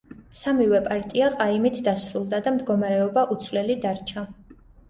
სამივე პარტია ყაიმით დასრულდა და მდგომარეობა უცვლელი დარჩა.